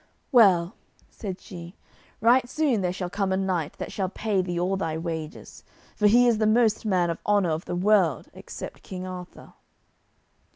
"Well," said she, "right soon there shall come a knight that shall pay thee all thy wages, for he is the most man of honour of the world, except King Arthur."